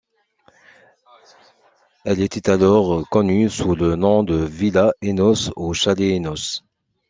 Elle était alors connue sous le nom de Villa Enos ou Chalet Enos.